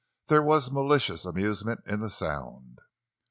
There was malicious amusement in the sound.